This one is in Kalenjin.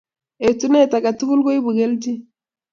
Etunet a tuguk koibu kelgin